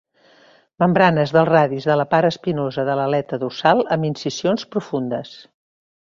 Membranes dels radis de la part espinosa de l'aleta dorsal amb incisions profundes.